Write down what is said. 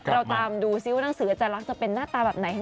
เราตามดูซิว่าหนังสืออาจารย์ลักษณ์จะเป็นหน้าตาแบบไหน